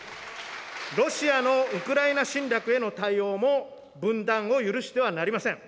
ロシアのウクライナ侵略への対応も分断を許してはなりません。